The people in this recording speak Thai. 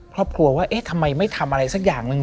ครอบครัวว่าเอ๊ะทำไมไม่ทำอะไรสักอย่างหนึ่ง